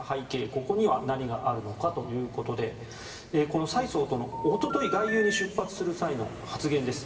ここには何があるのかということでこの蔡総統のおととい、外遊に出発する際の発言です。